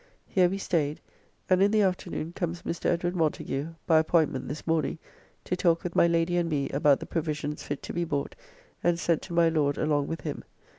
Here we staid; and in the afternoon comes Mr. Edwd. Montagu (by appointment this morning) to talk with my Lady and me about the provisions fit to be bought, and sent to my Lord along with him.